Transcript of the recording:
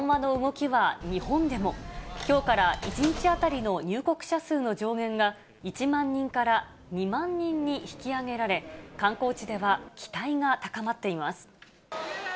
きょうから１日当たりの入国者数の上限が、１万人から２万人に引き上げられ、観光地では期待が高まっています。